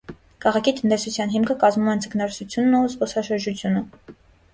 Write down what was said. Քաղաքի տնտեսության հիմքը կազմում են ձկնորսությունն ու զբոսաշրջությունը։